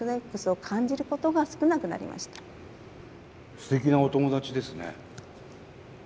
すてきなお友達ですね。